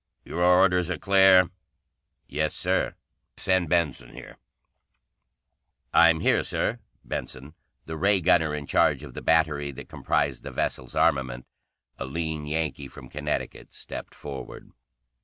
"Your orders are clear?" "Yes, Sir." "Send Benson here." "I'm here, Sir." Benson, the ray gunner in charge of the battery that comprised the vessel's armament, a lean Yankee from Connecticut, stepped forward.